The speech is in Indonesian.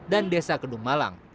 dan desa kendung malang